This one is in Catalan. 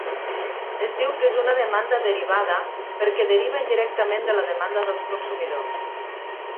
Es diu que és una demanda derivada perquè deriva indirectament de la demanda dels consumidors.